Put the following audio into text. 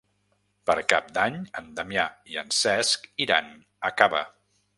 Per Cap d'Any en Damià i en Cesc iran a Cava.